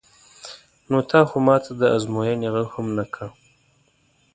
نو تا خو ما ته د ازموینې غږ هم نه کړ.